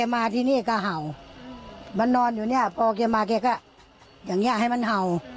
มันนอนอยู่นี่พอแกมาแกก็อย่างนี้ให้มันเห่า